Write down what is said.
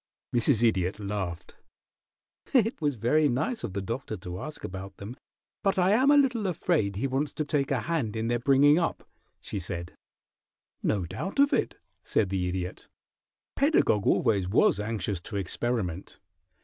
Mrs. Idiot laughed. "It was very nice of the Doctor to ask about them, but I am a little afraid he wants to take a hand in their bringing up," she said. "No doubt of it," said the Idiot. "Pedagog always was anxious to experiment.